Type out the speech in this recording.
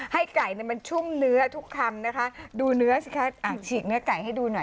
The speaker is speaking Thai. ให้ไก่เนี่ยมันชุ่มเนื้อทุกคำนะคะดูเนื้อสิคะอ่ะฉีกเนื้อไก่ให้ดูหน่อย